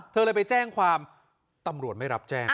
เธอเลยไปแจ้งความตำรวจไม่รับแจ้ง